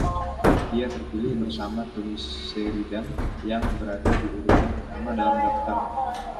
Dia terpilih bersama Tommy Sheridan, yang berada di urutan pertama dalam daftar.